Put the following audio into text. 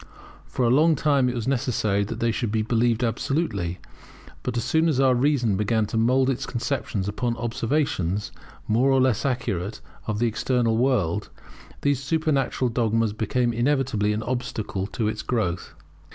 For a long time it was necessary that they should be believed absolutely; but as soon as our reason began to mould its conceptions upon observations, more or less accurate, of the external world, these supernatural dogmas became inevitably an obstacle to its growth.